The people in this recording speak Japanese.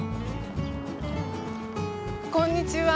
こんにちは。